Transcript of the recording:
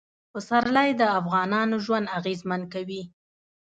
پسرلی د افغانانو ژوند اغېزمن کوي.